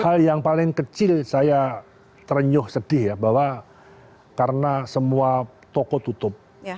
hal yang paling kecil saya terenyuh sedih ya bahwa karena semua toko tutup